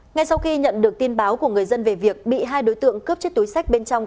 ngay sau khi nhận được tin báo của người dân về việc bị hai đối tượng cướp chiếc túi sách bên trong